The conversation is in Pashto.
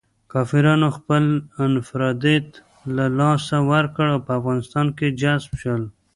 کافرانو خپل انفرادیت له لاسه ورکړ او په افغانستان کې جذب شول.